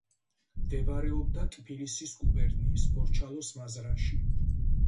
მდებარეობდა ტფილისის გუბერნიის ბორჩალოს მაზრაში.